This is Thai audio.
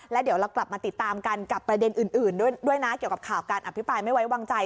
แล้วเดี๋ยวเรากลับมาติดตามกันกับประเด็นอื่นด้วยนะเกี่ยวกับข่าวการอภิปรายไม่ไว้วางใจ